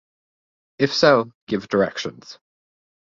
If so, give directions.